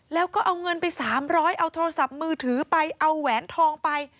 แล้วก็เอาเงินไป๓๐๐เอาโทรศัพท์มือถือไปเอาแหวนทองไป